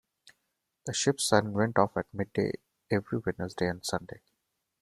The ship's siren went off at midday every Wednesday and Sunday.